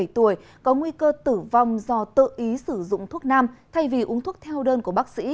hai mươi tuổi có nguy cơ tử vong do tự ý sử dụng thuốc nam thay vì uống thuốc theo đơn của bác sĩ